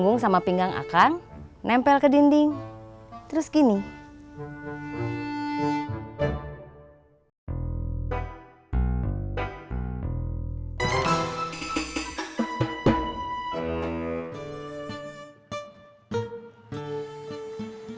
nasi goreng spesial